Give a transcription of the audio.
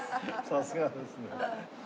さすがですね。